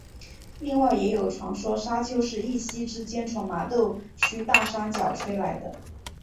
另外也有传说砂丘是一夕之间从麻豆区大山脚吹来的。